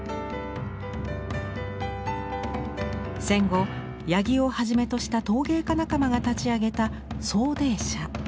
戦後八木をはじめとした陶芸家仲間が立ち上げた「走泥社」。